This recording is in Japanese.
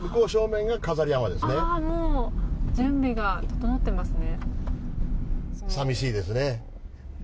準備が整ってますね。